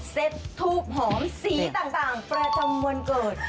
ทูบหอมสีต่างประจำวันเกิด